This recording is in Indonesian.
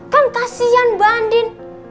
kan kasian mbak andin